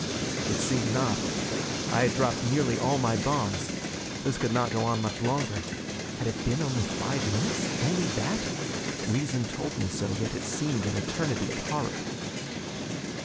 It seemed not. I had dropped nearly all my bombs. This could not go on much longer. Had it been only five minutes? Only that? Reason told me so, yet it seemed an eternity of horror.